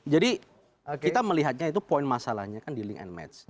jadi kita melihatnya itu poin masalahnya kan di link and match